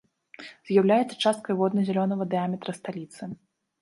З'яўляецца часткай водна-зялёнага дыяметра сталіцы.